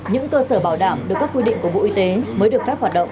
những cơ sở bảo đảm được các quy định của bộ y tế mới được phép hoạt động